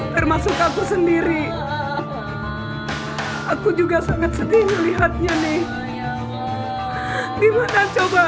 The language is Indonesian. termasuk aku sendiri aku juga sangat sedih melihatnya nih gimana coba